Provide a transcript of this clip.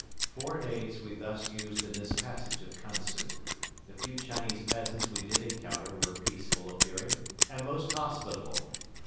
Four days we thus used in this passage of Kansu. The few Chinese peasants we did encounter were peaceful appearing and most hospitable.